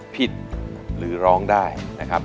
ผิดหรือร้องได้นะครับ